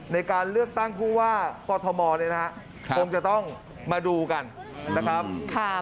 ในการเลือกตั้งผู้ว่ากอทมเนี่ยนะครับคงจะต้องมาดูกันนะครับ